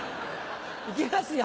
いきますよ